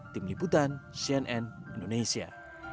tim liputan cnn indonesia